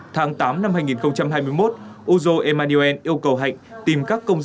tháng tám năm hai nghìn hai mươi một uzo emmanuel yêu cầu hạnh tìm các công sản